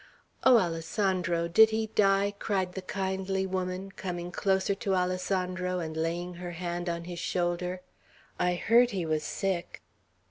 "Oh, Alessandro! Did he die?" cried the kindly woman, coming closer to Alessandro, and laying her hand on his shoulder. "I heard he was sick."